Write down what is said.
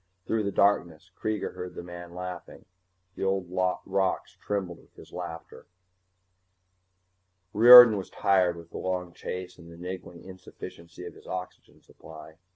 Through the darkness Kreega heard the man laughing. The old rocks trembled with his laughter. Riordan was tired with the long chase and the niggling insufficiency of his oxygen supply.